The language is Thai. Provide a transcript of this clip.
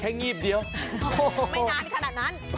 งีบเดียวไม่นานขนาดนั้น